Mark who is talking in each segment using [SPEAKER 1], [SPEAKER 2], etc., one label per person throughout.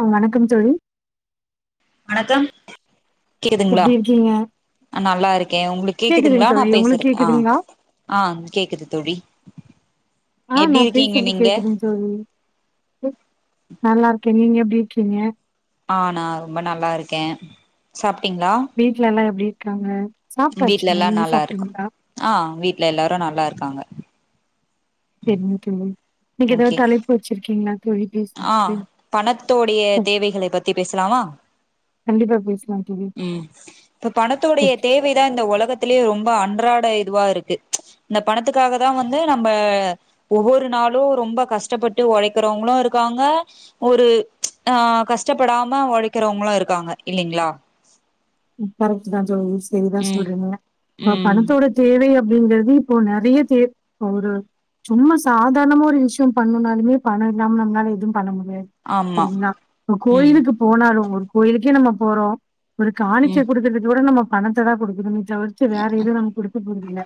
[SPEAKER 1] அஹ் வணக்கம் தோழி
[SPEAKER 2] வணக்கம் கேக்குதுங்களா
[SPEAKER 1] எப்டி இருக்கீங்க
[SPEAKER 2] நல்லா இருக்கே உங்களுக்கு
[SPEAKER 1] கேக்குதுங்
[SPEAKER 2] கேக்குதுங்களா நா
[SPEAKER 1] தோழி உங்களுக்கு
[SPEAKER 2] பேசுற ஆஹ்
[SPEAKER 1] கேக்குதுங்களா
[SPEAKER 2] ஆஹ் கேக்குது தோழி
[SPEAKER 1] ஆ நா
[SPEAKER 2] எப்டி இருக்கீங்க
[SPEAKER 1] பேசுறது
[SPEAKER 2] நீங்க
[SPEAKER 1] கேக்குதுங் தோழி நல்லா இருக்கே நீங்க எப்டி இருக்கீங்க
[SPEAKER 2] அஹ் நா ரொம்ப நல்லா இருக்கே சாப் டீங்களா
[SPEAKER 1] வீட்ல எல்லா எப்டி இருக்காங்க
[SPEAKER 2] வீட்ல
[SPEAKER 1] சாப்ட்டாச்சுங்க
[SPEAKER 2] எல்லா
[SPEAKER 1] நீங்க
[SPEAKER 2] நல்லா இருக்கு
[SPEAKER 1] சாப்ட்டீங்களா
[SPEAKER 2] ஆஹ் வீட்டுல எல்லாரு நல்லா இருக்காங்க
[SPEAKER 1] சேரிங்க ஓகேங்க நீங்க ஏதாவது தலைப்பு வச்சிருக்கீங்களா
[SPEAKER 2] ஆஹ்
[SPEAKER 1] பேசறதுக்கு
[SPEAKER 2] பணத்தோடைய தேவைகளை பத்தி பேசலாமா
[SPEAKER 1] கண்டிப்பா பேசலாம் தோழி
[SPEAKER 2] உம் இப்ப பணத்தோடைய தேவைதான் இந்த உலகத்திலேயே ரொம்ப அன்றா ட இதுவா இருக்கு இந்த பணத்துக்காக தா வந்து நம்ம ஒவ்வொரு நாளு ரொம்ப கஷ்டப்பட்டு உழைக்கிறவங்களு இருக் காங்க ஒரு அஹ் கஷ்டப்படாம உழைக்கிறவங்களு இருக்காங்க இல்லைங்களா
[SPEAKER 1] உம் கரெக்ட் தான் தோழி செரிதா
[SPEAKER 2] ம்
[SPEAKER 1] சொல்றிங்க அ
[SPEAKER 2] ம்
[SPEAKER 1] பணத்தோட தேவை அப்டிங்கிறது இப்போ நெறைய தே இப்ப ஒரு சும்மா சாதாரணமா ஒரு விஷயம் பண்ணுனாலுமே பணம் இல்லாம நம்மளால எதுவு பண்ண முடியாது
[SPEAKER 2] ஆமா
[SPEAKER 1] செரிங்களா
[SPEAKER 2] ம்
[SPEAKER 1] கோயிலுக்கு போனாலு ஒரு கோயிலுக்கே நம்ம போறோ ஒரு காணிக்க
[SPEAKER 2] ம்
[SPEAKER 1] குடுக்குறது கூட நம்ம பணத்த தா குடுக்கணு தவிர்த்து வேற இது நமக்கு குடு கொடுக்கல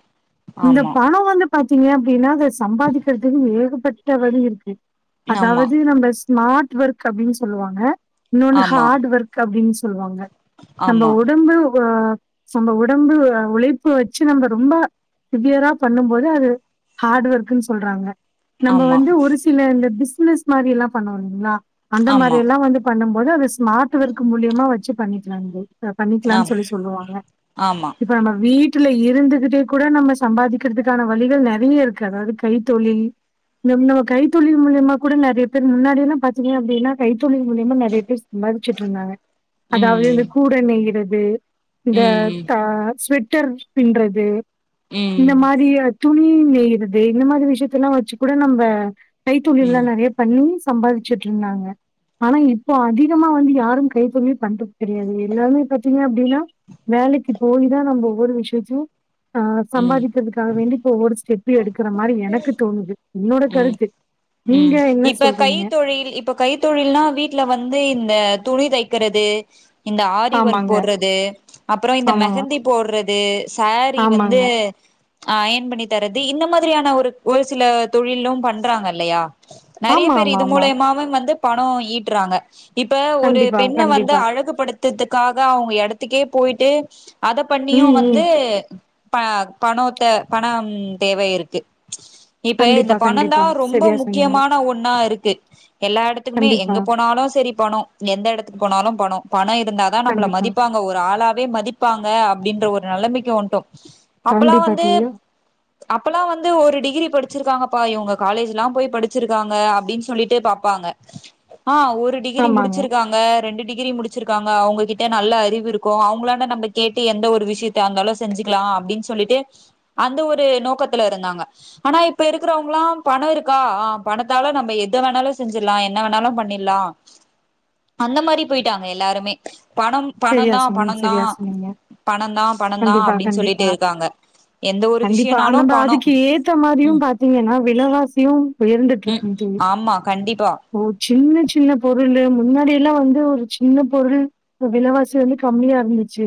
[SPEAKER 1] இந்த
[SPEAKER 2] ஆமா
[SPEAKER 1] பணம் வந்து பாத் த்தீங்க அப்டின்னா அத சம்பாதிக்கிறதுக்கு ஏகப்பட்ட வழி இருக்கு அதாவது நம்ம மார்ட் ஒர்க் அப்டின்னு சொல்லுவாங்க இன்னோன்னு
[SPEAKER 2] ஆமா
[SPEAKER 1] ஹார்ட் ஒர்க் அப்டின்னு சொல்லுவாங்க நம்ம
[SPEAKER 2] ஆமா
[SPEAKER 1] உடம்பு ஓ நம்ப உடம்பு உழைப்பு வச்சி நம்ம ரொம்ப சிவியரா பண்ணும் போது அது ஹார்ட் ஒர்க்கன்னு சொல்றாங்க நம்ம
[SPEAKER 2] ஆமா
[SPEAKER 1] வந்து ஒரு சில இந்த பிஸ் னஸ் மாரிலா பண்ணமுடியுங்களா அந்த
[SPEAKER 2] ஆமா
[SPEAKER 1] மாரி
[SPEAKER 2] ஆமா
[SPEAKER 1] எல்லா வந்து பண்ணும் போது அது ஸ்மார்ட்வொர்க் மூலியமா வச்சு பண்ணி நாங்க பண்ணிக்கலாம்
[SPEAKER 2] ஆம்
[SPEAKER 1] சொல்லி சொல்லுவாங்க
[SPEAKER 2] ஆமா
[SPEAKER 1] இப்ப நம்ம வீட் வீட்டுல இருந்துகிட்டே கூட நம்ம சம்பாதிக்கிறதுக்கான வழிகள் நெறைய இருக்கு அதாவது கைத்தொழில் நம்-நம்ம கைத்தொழில் மூலியமா கூட நெறைய பேர் முன்னாடில்லா பாத்தீங்க அப்டின்னா கைத்தொழில் மூலியமா நெறைய பேர் மதிச்சுட்டு இருந்தாங்க
[SPEAKER 2] ம்
[SPEAKER 1] அதாவது கூட நய்கிறது ஏ இந்த
[SPEAKER 2] ம்
[SPEAKER 1] தஸ் ர் பின்றறது இந்த
[SPEAKER 2] ம்
[SPEAKER 1] மாதிரிய துணி நெயறது இந்த மாதிரி விஷயத்த எல்லாம் வச்சு கூட நம்ம கைத்தூழில்
[SPEAKER 2] ம் ம்
[SPEAKER 1] எல்லாம் நிறைய பண்ணி சம்பாதிச்சுட்டு இருந்தாங்க ஆனா இப்போ அதிகமா வந்து யாரும் கைப்பம பண் தெரியாது எல்லாருமே பாத்தீங்க அப்படின்னா வேலைக்கு போய் தான் நம்ம ஒவ்வொரு விஷயத்தையும் ஆஹ் சம்பாதிக்கிறதுக்காக வேண்டிப்ப ஸ்டேட சடி
[SPEAKER 2] உம்
[SPEAKER 1] நீங்க
[SPEAKER 2] உம்
[SPEAKER 1] என்ன
[SPEAKER 2] இப்ப
[SPEAKER 1] சொல்றீங்க
[SPEAKER 2] கைத்தொழில் இப்ப கைத்தொழில்னா வீட்டுல வந்து இந்த துணி தைக்கிறது இந்த ஆரி ஒர்க்
[SPEAKER 1] ஆமாங்க
[SPEAKER 2] போடுறது அப்புறம் இந்த
[SPEAKER 1] ஆமாங்க
[SPEAKER 2] மெஹந்தி போடுறது சாரீ வந்து
[SPEAKER 1] ஆமாங்க
[SPEAKER 2] ஆஹ் ஏன் பண்ணி தரது இந்த மாதிரி மாதிரியான ஒரு ஒரு சில தொழிலும் பண்றாங்க இல்லையா நிறைய
[SPEAKER 1] ஆமா
[SPEAKER 2] பேர்
[SPEAKER 1] ஆமா
[SPEAKER 2] இது
[SPEAKER 1] ஆமா
[SPEAKER 2] மூலியமாவ வந்து பணம் ஈட்டுறாங்க இப்ப ஒரு
[SPEAKER 1] கண்டிப்பா
[SPEAKER 2] பெண்ண வந்து
[SPEAKER 1] கண்டிப்பா
[SPEAKER 2] அழகுபடுத்த த்துக்காக அவங்க இடத்துக்கே போயிட்டு அத
[SPEAKER 1] ம்
[SPEAKER 2] பண்ணியும்
[SPEAKER 1] ம்
[SPEAKER 2] வந்து ப பணத்தை பணம் தேவை இருக்கு க இப்ப இந்த
[SPEAKER 1] கண்டிப்பா
[SPEAKER 2] பணம
[SPEAKER 1] கண்டிப்பா
[SPEAKER 2] தான் ரொம்ப
[SPEAKER 1] சரியா சொன்னீங்க
[SPEAKER 2] முக்கியமான ஒண்ணா இருக்கு எல்லா இடத்துக்குமே
[SPEAKER 1] கண்டிப்பா,
[SPEAKER 2] எங்க போனாலும் சரி பணம் எந்த இடத்துக்கு போனாலும் பணம் பணம் இருந்தா தான் நம்மளை
[SPEAKER 1] கண்டிப்பா,
[SPEAKER 2] மதிப்பாங்க ஒரு ஆளாவே மதிப்பாங்க அப்படின்ற ஒரு நிலைமைக்கு ஒட்டும்
[SPEAKER 1] கண்டிப்பா தெரியோ
[SPEAKER 2] அப்பல்லாம் வந்து ஒரு டிகிரி படிச்சிருக்காங்கப்பா இவங்க காலேஜ் எல்லாம் போய் படிச்சிருக்காங்க அப்படின்னு சொல்லிட்டு பாார்பப்பாங்க ஆஹ் ஒரு டிகிரி
[SPEAKER 1] ஆமாங்க.
[SPEAKER 2] முடிச்சிருக்காங்க ரெண்டு டிகிரி முடிச்சிருக்காங்க அவங்ககிட்ட நல்ல அறிவு இருக்கும் அவங்களான நம்ம கேட்டு எந்த ஒரு விஷயத்த அந்த அளவு செஞ்சுக்கலாம் அப்படின்னு சொல்லிட்டு அந்த ஒரு நோக்கத்தை த்துல இருந்தாங்க ஆனா இப்ப இருக்கிறவங்காம் பணம் இருக்கா பணத்தாலும் நம்ம எத வேணாலும் செஞ்சிடலாம் என்ன வேணாலும் பண்ணிடலாம் அந்த மாதிரி போயிட்டாங்க எல்லாருமே பணம் பணம்
[SPEAKER 1] சரியா
[SPEAKER 2] தான்
[SPEAKER 1] சொன்னீங்க,
[SPEAKER 2] பண
[SPEAKER 1] சரியா
[SPEAKER 2] தான்
[SPEAKER 1] சொன்னீங்க.
[SPEAKER 2] பணம தான் பணம தான்
[SPEAKER 1] கண்டிப்பா,
[SPEAKER 2] அப்படின்னு சொல்லிட்டு
[SPEAKER 1] கண்டிப்பா,
[SPEAKER 2] இருக்காங்க எந்த ஒரு
[SPEAKER 1] கண்டிப்பா.
[SPEAKER 2] விஷயனாலும்
[SPEAKER 1] நம்ம அதுக்கு ஏத்த மாரியும் பாத்தீங்கன்னா வெலவாசியும் உயர்ந்துட்டு
[SPEAKER 2] ம்
[SPEAKER 1] இருக்கு
[SPEAKER 2] ஆமா கண்டிப்பா
[SPEAKER 1] சின்ன சின்ன பொருள் முன்னாடிய இல்ல வந்து ஒரு சின்ன பொருள் இப்ப விலவாசி வந்து கம்மியா இருந்துச்சு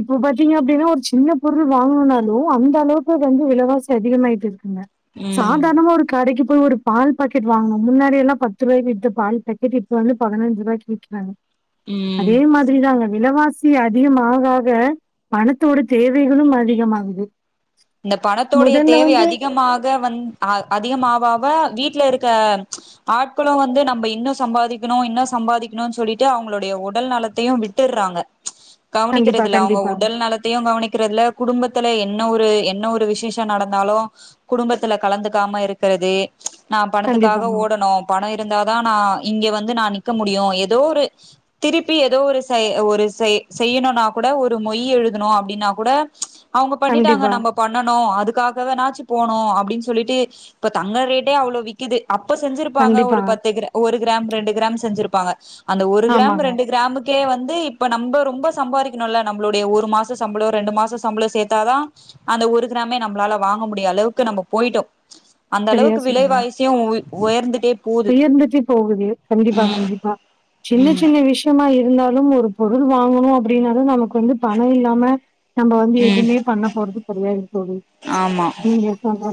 [SPEAKER 1] இப்போ பாத்தீங்க அப்படின்னா ஒரு சின்ன பொருள் வாங்குனாலும் அந்த அளவுக்கு அது வந்து விலவாசி அதிகமாயிட்டுது
[SPEAKER 2] ம்
[SPEAKER 1] சாதாரணமா ஒரு கடக்கு இப்ப ஒரு பால் பாக்கெட் வாங்கணும் முன்னாடிய எல்ல பத்து ரூபாய்க்கு விட்ட பால் பாக்கெட் இப்ப வந்து பதினஞ்ச ரூபாய்க்க விற்கிறாங்க
[SPEAKER 2] ம்
[SPEAKER 1] அதே மாதிரிதாங்க விலவாச சி அதிகமாகாக பணத்தோட தேவைகளும் அதிகமாகுது
[SPEAKER 2] இந்த பணத்தோடைய
[SPEAKER 1] முதல்ல
[SPEAKER 2] தேவை
[SPEAKER 1] வந்து
[SPEAKER 2] அதிகமாக வந் அதிகமாவாவ வீட்டுல இருக்க ஆட்களும் வந்து நம்ம இன்னும் சம்பாதிக்கணும் இன்னும் சம்பாதிக்கணும்னு சொல்லிட்டு அவங்களுடைய உடல் நலத்தையும் விட்டுறாங்க
[SPEAKER 1] கண்டிப்பா
[SPEAKER 2] கவனிக்கிறதுல அவங்க
[SPEAKER 1] கண்டிப்பா
[SPEAKER 2] உடல் நலத்தையும் கவனிக்கிறதுல குடும்பத்துல என்ன என்ன ஒரு என்ன ஒரு விசேஷம் நடந்தாலும் குடும்பத்துல கலந்துக்காம இருக்கிறது நான் பணத்துக்காக
[SPEAKER 1] கண்டிப்பாங்க
[SPEAKER 2] ஓடணும் பணம் இருந்தாதான் நான் இங்க வந்து வந்து நான் நிக்க முடியும் ஏதோ ஒரு திருப்பி ஏதோ ஒரு ஒரு செய் செய்யணும்னா கூட ஒரு மொய் எழுதணும் அப்டின்னா கூட அவங்க பண்ணிட்டாங்க
[SPEAKER 1] கண்டிப்பா
[SPEAKER 2] நம்ம பண்ணனும் அதுக்காகவேனாச்சு போணும் அப்படின்னு சொல்லிட்டு இப்ப தங்க ரேட்டே அவ்ளோ விக்குது அப்ப செஞ்சிருப்பாங்க
[SPEAKER 1] கண்டிப்பா
[SPEAKER 2] ஒரு பத்து எக்க ஒரு கிராம் ரெண்டு கிராம் செஞ்சிருப்பாங்க அந்த ஒரு கிராம்
[SPEAKER 1] ஆமாங்க
[SPEAKER 2] ரெண்டு கிராமக்கு வந்து இப்ப நம்ம ரொம்ப சம்பாதிக்கணும்ல நம்மளுடைய ஒரு மாசம் சம்பளம் ரெண்டு மாசம் சம்பளம் சேத்தாதான் அந்த ஒரு கிராமே நம்மளால வாங்க முடிய அளவுக்கு நம்ம போயிட்டோம் அந்த
[SPEAKER 1] சரியா
[SPEAKER 2] அளவுக்கு விலை
[SPEAKER 1] சொன்னீங்க
[SPEAKER 2] வாயிசியும் உயர்ந்துட்டே போது
[SPEAKER 1] உயர்ந்துட்டு போகுது கண்டிப்பா
[SPEAKER 2] ம்
[SPEAKER 1] கண்டிப்பா சின்ன
[SPEAKER 2] ம்
[SPEAKER 1] சின்ன விஷயமா இரு இருந்தாலும் ஒரு பொருள் வாங்கணும் அப்படின்னால நமக்கு வந்து பணம் இல்லாம நம்ம வந்து
[SPEAKER 2] ம்
[SPEAKER 1] எதுவுமே பண்ண போறது கெடையாது சொல்ல
[SPEAKER 2] ஆமா
[SPEAKER 1] நீங்க சொல்ற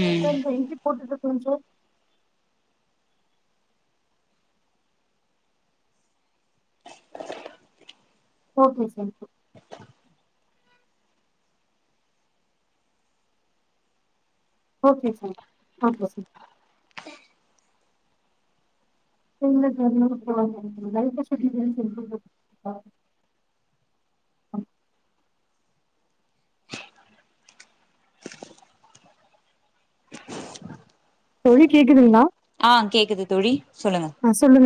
[SPEAKER 2] ம்
[SPEAKER 1] கூட்டுது தெஞ்சு ஓகே சரி
[SPEAKER 2] [inaudible]
[SPEAKER 1] ஓகே சார் ஓகே சய [inaudible]
[SPEAKER 2] [inaudible] [inaudible] [unintelligible]
[SPEAKER 1] தோழி கேக்குதுங்களா
[SPEAKER 2] ஆஹ் கேக்குது தோழி சொல்லுங்க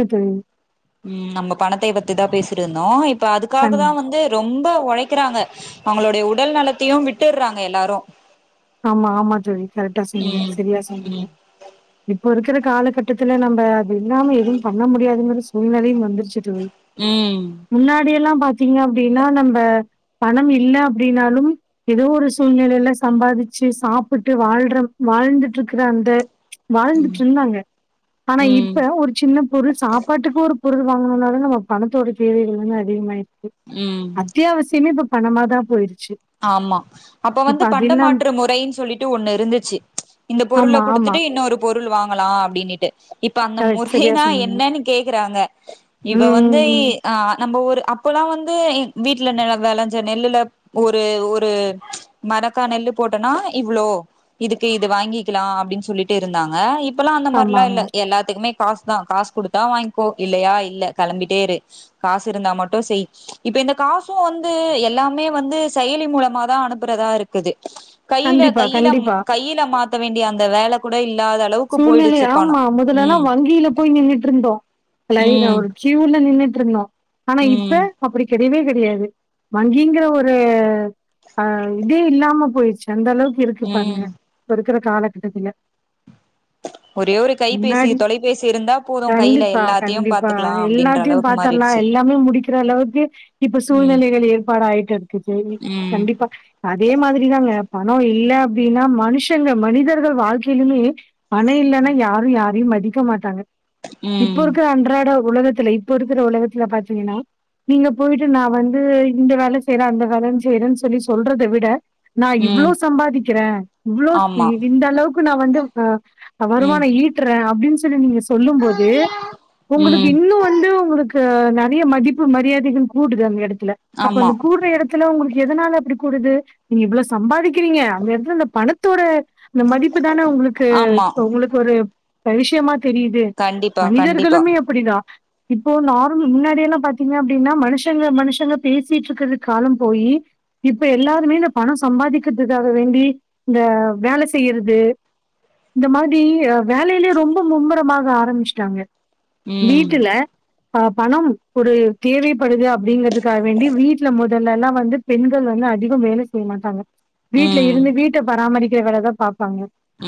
[SPEAKER 1] உம்
[SPEAKER 2] உம் நம்ம பணத்த பத்திதான் பேசிருந்தோம் இப்ப அதுக்காக
[SPEAKER 1] கண்
[SPEAKER 2] தான் வந்து ரொம்ப உழைக்கிறாங்க அவங்களுடைய உடல் நலத்தையும் விட்டுடுறாங்க எல்லாரும்
[SPEAKER 1] ஆமா ஆமா ஜோழி கரெக்டா செய்யணும் சரியா
[SPEAKER 2] ம்
[SPEAKER 1] செய்யணும் இப்ப இருக்கிற காலகட்டத்துல நம்ப அது இல்லாம எதுவும் பண்ண முடியாதுங்கிற சூழ்நிலையும் வந்துருச்சு
[SPEAKER 2] ம்
[SPEAKER 1] முன்னாடி எல்லாம் பா்த்தீங்க அப்படின்னா நம்ம பணம் இல் அப்படனாலும் ஏதோ ஒரு சூழ்நிலையில சம்பாதி வ சாப்பிட்டு வாழ்ற வாழ்ந்துட்டு இருக்கற அந்த வாழ்ந்துட்டு இருந்தாங்க ஆனா
[SPEAKER 2] ம்
[SPEAKER 1] இப்ப ஒரு சின்ன பொருள் சாப்பாட்டுக்கு ஒரு புருதுவாங்கனதுனால நம்ம பணத்தோட தேவைகள் வந்து அதிகமாய
[SPEAKER 2] ம்
[SPEAKER 1] அத்தியாவசியமே ப பணமா தான் போயிிருும்
[SPEAKER 2] ஆமா அப்ப வந்து பண்ட
[SPEAKER 1] இல்லாம்
[SPEAKER 2] மாற்று மு பைனு சொல்லிட்டு ஒன்னு இருந்துச்சு இந்த பொருளை
[SPEAKER 1] ஆமா ஆமா
[SPEAKER 2] குடுத்துட்டு இன்னொரு பொருள் பொருள் வாங்கலாம் அப்படினுட்டு இப்ப அந்த
[SPEAKER 1] கரெக்ட் சரியா
[SPEAKER 2] முறைனா
[SPEAKER 1] சொன்னீங்க
[SPEAKER 2] என்னன்னு கேக்குறாங்க இவ வந்து
[SPEAKER 1] ம்
[SPEAKER 2] ஆஹ் நம்மப ஊரு அப்போல்லாம் வந்து வீட்டுல நில விளஞ்ச நெல்லுல ஒரு ஒரு மரக்கா நெல்லு போட்டோனா இவ்ளோ இதுக்கு இது வாங்கிக்கலாம் அப்படின்னு சொல்லிட்டு இருந்தாங்க இப்பலாம் அந்த மாதிரிிலாம்
[SPEAKER 1] ஆமாங்க
[SPEAKER 2] இல்ல எல்லாத்துக்குமே காசு தான் காசு கொடுத்தா வாங்கிக்கோ இல்லையா இல்ல கிளம்பிட்டே இரு காசு இருந்தா மட்டும் செய் இப்ப இந்த காசும் வந்து எல்லாமே வந்து செயலி மூலமா தான் அனுப்புறதா இருக்குது கையில
[SPEAKER 1] கண்டிப்பா
[SPEAKER 2] கையில
[SPEAKER 1] கண்டிப்பா
[SPEAKER 2] கையில மாத்த வேண்டிய அந்த வேலை கூட இல்
[SPEAKER 1] சூழ்நிலை ஆ முதலல்லாம்
[SPEAKER 2] ம்
[SPEAKER 1] வங்கியில போய் நின்ட்டு இருந்தோம் லைனா
[SPEAKER 2] ம்
[SPEAKER 1] ஒரு சியூர்ல நின்ட்டு விட்றனும் ஆனா இப்ப
[SPEAKER 2] ம்
[SPEAKER 1] அப்டி கெடையவே கெடை யாது வங்கிங்கிற ஒரு அஹ இதே இல்லாம போயிச்சு எந்த அளவுக்கு இருக்கு பாருங்க
[SPEAKER 2] ம்
[SPEAKER 1] இப்பயிருக் கற காலகட்டத்துல
[SPEAKER 2] ஒரே ஒரு கைபேசி
[SPEAKER 1] முன்னாடி
[SPEAKER 2] தொலைபேசி இருந்தா போது கையில
[SPEAKER 1] கண்டிப்பா
[SPEAKER 2] எல்லாத்தையு
[SPEAKER 1] கண்டிப்பா
[SPEAKER 2] பாத்துக்கலா அப்டின்ற
[SPEAKER 1] எல்லாத்தையும்
[SPEAKER 2] அளவுக்கு
[SPEAKER 1] பாத்தரலாம்
[SPEAKER 2] மாறிடுச்சு
[SPEAKER 1] எல்லாமே முடிக்கிற அளவுக்கு இப்ப
[SPEAKER 2] ம்
[SPEAKER 1] சூழ்நிலைகள் ஏற்பாடாயிட்டு இருக்கு சரி
[SPEAKER 2] ம்
[SPEAKER 1] கண்டிப்பா அதே மாதிரிதாங்க பணம் இல்ல அப்டின்னா மனுஷங்க மனிதர்கள் வாழ்க்கையிலுமே பணம் இல்லனா யாருயார் மதிக்க மாட்டாங்க இப்ப
[SPEAKER 2] ம்
[SPEAKER 1] இருக்க அன்றாட உலகத் இப்ப இருக்கிற உலகத்துல பாத்தீங்கன்னா நீங்க போயிட்டு நான் வந்து இந்த வேலை செய்றேன் அந்த வேலை செய்றேன்னு சொல்லி சொல்றத விட நான் இவ்ளோ
[SPEAKER 2] ம்
[SPEAKER 1] சம்பாதிக்கிறேன் இவ்ளோ
[SPEAKER 2] ஆமா
[SPEAKER 1] இந்த அளவுக்கு நான் வந்து ஹ
[SPEAKER 2] ம்
[SPEAKER 1] வருமானம் ஈட்டுறேன் அப்படின் [unintelligible] சொல்லும் போது உங்களுக்கு
[SPEAKER 2] ம்
[SPEAKER 1] இன்னும் வந்து உங்களுக்கு நறைய மதிப்பு மரியாதைகள் கூடுது அந்த எடத் அப்ப
[SPEAKER 2] ஆமா
[SPEAKER 1] அந்த கூடுற எடத்துல உங்களுக்கு எதனால அப்டி கூடுது நீங்க இவ்ளோ சம்பாதிக்கிறீங்க அந்த இடத்துல அந்த பணத்தோட இந்த மதிப்பு தான உங்களுக்கு
[SPEAKER 2] ஆமா
[SPEAKER 1] உங்களுக்கு ஒரு எப்ப விஷயமா தெ தெரியுது
[SPEAKER 2] கண்டிப்பா கண்டிப்பா
[SPEAKER 1] மனிதர்களுமே அப்டிதான் இப்போ நர்மல் முன்னாடிய எல்லாம் பாத்தீங்க அப்படின்னா மனுஷங்க மனுஷங்க பேசிட்டு இருக்கிறது காலம் போய் இப்ப எல்லாருமே இந்த பணம் சம்பாதிக்கிறதுக்காக வேண்டி இந்த வேலை செய்றது இந்த மாரி வேலையிலயே ரொம்ப மும்முரமாக ஆரம்சிட்டாங்க
[SPEAKER 2] ம்
[SPEAKER 1] வீட்டுல அஹ பணம் ஒரு தேவைப்படுது அப்டின்றதுக்காக வேண்டி வீட்டுல முதல்ல எல்லாம் வந்து பெண்கள் வந்து அதிகம் வேலை செய்ய மாட்டாங்க வீட்டு்ல
[SPEAKER 2] ம்
[SPEAKER 1] இருந்து வீட்டை பராமரிக் ருக்கர வேலை தான் பாப்பாங்க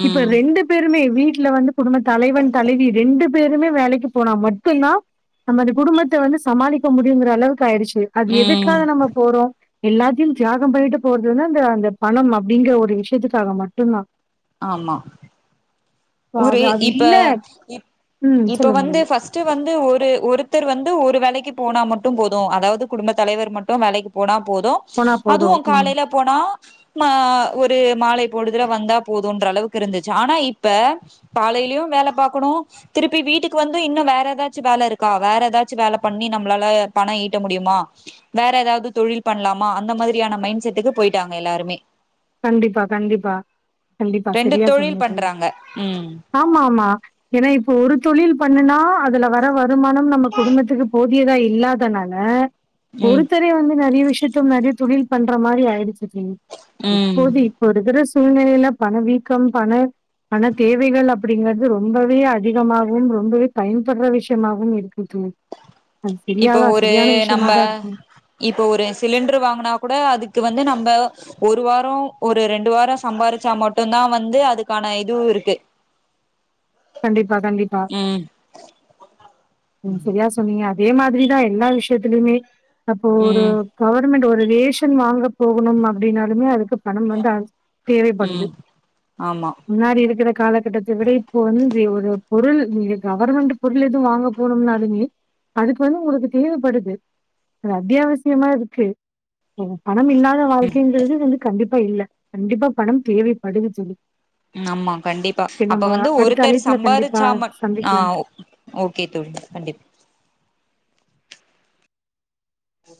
[SPEAKER 2] ம்
[SPEAKER 1] இப்பரெண்டு பேருமே வீட்டு வீட்ல வந்து குடும்ப தலைவன் தலைவி ரெண்டு ரெண்டு பேரும் வேலைக்கு போனா மட்டும் தான் நாம அந்த குடும்பத்தை வந்து சமாளிக்க முடியும் அளவுக்கு ஆயிடுச்சு அது
[SPEAKER 2] ம்
[SPEAKER 1] எதுக்காக நம்ம போறோம் எல்லாத்தையும் தியாகம் பண்ணிட்டு போறதுன்னாது இந்த அந்த பணம் அப்படிங்கிற ஒரு விஷயத்துக்காக மட்டும்தான்
[SPEAKER 2] ஆமா
[SPEAKER 1] சோ
[SPEAKER 2] ஒரு
[SPEAKER 1] அது அது
[SPEAKER 2] இப்ப
[SPEAKER 1] இல்ல ம்
[SPEAKER 2] இப்ப
[SPEAKER 1] சொல்லுங்க
[SPEAKER 2] வந்து
[SPEAKER 1] மேடம்.
[SPEAKER 2] பஸ்ட் வந்து ஒரு ஒருத்தர் வந்து ஒரு வேலைக்கு போனா மட்டும் போதும் அதாவது குடும்ப தலைவர் மட்டும் வேலைக்கு போனா போதும்
[SPEAKER 1] போனா போதும்.
[SPEAKER 2] அதுவும்
[SPEAKER 1] ம்.
[SPEAKER 2] காலைல போனா ஒரு மாலை பொழுதுல வந்தா போதும்யின்ற அளவுக்கு இருந்துச்சு ஆனா இப்ப இப்ப காலையிலயும் வேலை பார்க்கணும் திருப்பி வீட்டுக்கு வந்து இன்னும் வேற ஏதாச்சும் வேலை இருக்கா வேற ஏதாச்சும் வேலை பண்ணி நம்மளால பணம் ஈட்ட முடியுமா வேற ஏதாவது தொழில் பண்ணலாமா அந்த மாதிரியான மைண்ட் செட்டுக்கு போயிட்டாங்க எல்லாருமே
[SPEAKER 1] கண்டிப்பா கண்டிப்பா கண்டிப்பா
[SPEAKER 2] ரெண்டு
[SPEAKER 1] சரியா சொன்னிங்க
[SPEAKER 2] தொழில்
[SPEAKER 1] தோழி
[SPEAKER 2] பண்றாங்க ம்
[SPEAKER 1] ஆமா ஆமா ஏன்னா இப்போ ஒரு தொழில் பண்ணுனா அதுல வர வரு மானம் நம்ம குடும்பத்துக்கு போது புதியதா இல்லாதனால
[SPEAKER 2] ம்
[SPEAKER 1] ஒருத்தர வந்து நிறைய விஷயம் த்தும் தொழில் பண்ற மாரி ஆயிடுச்சு புத்து ம் போதி பொடுகரஸ் சூழ்நிலையில பணவீக்கம் பண பண தேவைகள் அப்படிங்கறிறது ரொம்பவே அதிகமாகவும் ரொம்பவே பயன்படுற விஷயமாகவும் இருக்குது
[SPEAKER 2] இப்ப ஒரு நம்ம இப்ப ஒரு சிலிண்டரு வாங்கனா கூட அதுக்கு வந்து நம் நம்ம ஒரு வாரம் ஒரு ரெண்டு வாரம் சம்பாரிச்சா மட்டும் தான் வந்து அதுக்கான இதுவும் இருக்கு
[SPEAKER 1] கண்டிப்பா கண்டிப்பா
[SPEAKER 2] ம்
[SPEAKER 1] உம் சரியா சொன்னீங்க அதே மாதிரிதான் எல்லா விஷயத்துலயுமே அப்ப ஒரு
[SPEAKER 2] ம்
[SPEAKER 1] பவர் உம்மெண்ட் ஒரு ரேஷன் வாங்க போகணும் அப்படின்னாலுமே அதுக்கு பணம் வந்து தேவைப்படுது
[SPEAKER 2] ம் ஆமா
[SPEAKER 1] முன்னாடி இருக்கிற காலகட்டத்தை விட உம்றி ஒரு பொருள் நீங்க கவர்மெண்ட் பொருள் எதுவும் வாங்க போனம்னாலுமே அதுக்கு வந்து உங்களுக்கு தேவைப்படுது அத்தியாவசியமா இருக்கு ம் இல்லாத வாழ்க்கைங்கிறது வந்து கண்டிப்ப இப்ப இல்ல கண்டிப்பா பணம் தேவைப்படுது சொலி
[SPEAKER 2] ம் ஆமா கண்டிப்பா அப்ப வந்து
[SPEAKER 1] அடுத்த
[SPEAKER 2] ஒருத்தர்
[SPEAKER 1] அழைப்புல கண்டிப்பா
[SPEAKER 2] சம்பாதிச்சாம ஆ
[SPEAKER 1] சந்திக்கலாம்.
[SPEAKER 2] ஓகே தோழி கண்டிப்ப
[SPEAKER 1] ஹ